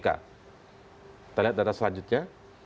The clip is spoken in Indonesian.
kita lihat data selanjutnya